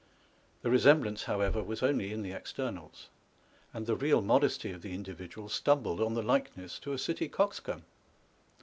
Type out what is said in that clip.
The resemblance, however, was only in the externals ; and the real modesty of the individual stumbled on the likeness to a city coxcomb